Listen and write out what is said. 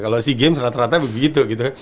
kalau sea games rata rata begitu gitu